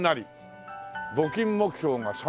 募金目標が３億円。